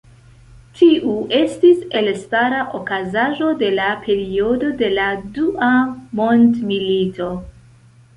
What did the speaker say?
Tiu estis elstara okazaĵo de la periodo de la Dua Mondmilito.